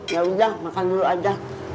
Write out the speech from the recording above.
yaudah makan dulu aja